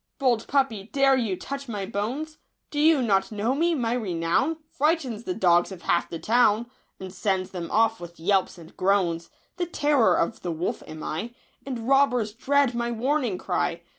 Bold puppy, dare you touch my bones ? Do you not know me ?— my renown Frightens the dogs of half the town. And sends them off with yelps and groans ; The terror of the wolf am I, And robbers dread my warning cry.